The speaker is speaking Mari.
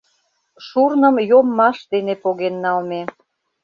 Шурным йоммаш дене поген налме.